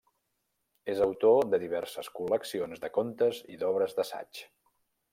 És autor de diverses col·leccions de contes i d’obres d’assaig.